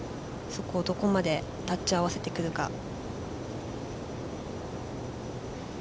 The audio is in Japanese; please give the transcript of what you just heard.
そこをどこまで合わせてくるか。